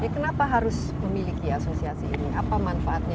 kenapa harus memiliki asosiasi ini apa manfaatnya